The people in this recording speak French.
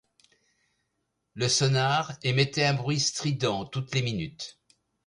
Le sonar émettait un bruit strident toutes les minutes.